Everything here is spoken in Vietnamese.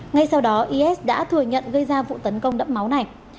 ngay sau đó is đã thừa nhận gây ra vụ tấn công đẫm máu này